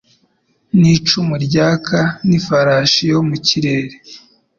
N'icumu ryaka n'ifarashi yo mu kirere